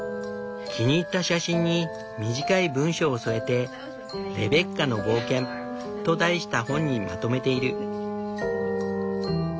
気に入った写真に短い文章を添えて「レベッカの冒険」と題した本にまとめている。